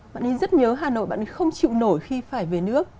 bạn nên rất nhớ hà nội bạn ấy không chịu nổi khi phải về nước